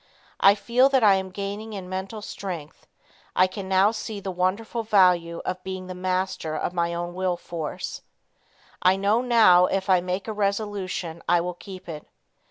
I feel that I am gaining in mental strength, I can now see the wonderful value of being the master of my own will force. I know now if I make a resolution I will keep it.